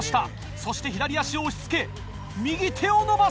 そして左足を押し付け右手を伸ばす。